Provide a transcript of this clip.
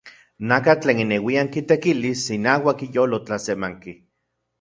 Nakatl tlen ineuian kitekilis inauak iyolo tlasemanki.